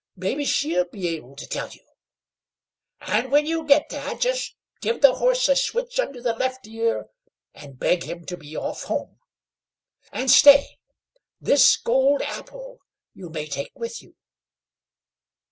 Maybe she'll be able to tell you; and when you get there, just give the horse a switch under the left ear, and beg him to be off home; and, stay, this gold apple you may take with you."